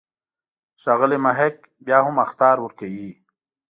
ښاغلی محق بیا هم اخطار ورکوي.